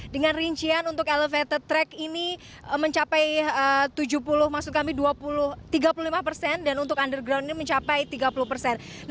dengan rincian untuk elevated track ini mencapai tujuh puluh lima persen dan untuk underground ini mencapai tiga puluh persen